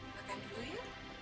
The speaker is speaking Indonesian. makan dulu yuk